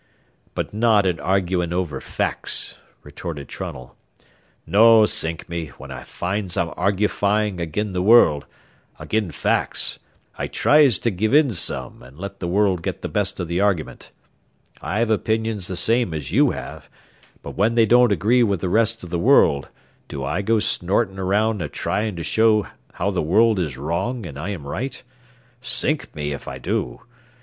"But not in argufying over facts," retorted Trunnell. "No, sink me, when I finds I'm argufying agin the world, agin facts, I tries to give in some and let the world get the best o' the argument. I've opinions the same as you have, but when they don't agree with the rest o' the world, do I go snortin' around a tryin' to show how the world is wrong an' I am right? Sink me if I do.